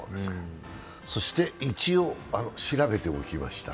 そして一応、調べておきました。